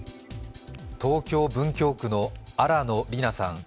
東京・文京区の新野りなさん